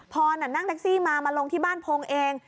นั่งแท็กซี่มามาลงที่บ้านพงศ์เอง